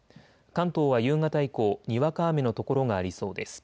関東は夕方以降、にわか雨の所がありそうです。